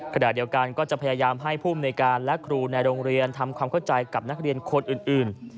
ขณะเดียวกันก็จะพยายามให้ภูมิในการและครูในโรงเรียนทำความเข้าใจกับนักเรียนคนอื่น